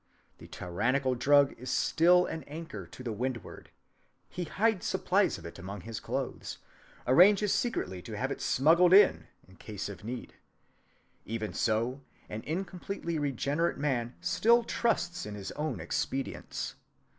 The tyrannical drug is still an anchor to windward: he hides supplies of it among his clothing; arranges secretly to have it smuggled in in case of need. Even so an incompletely regenerate man still trusts in his own expedients.